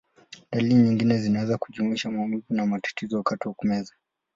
Dalili nyingine zinaweza kujumuisha maumivu na matatizo wakati wa kumeza.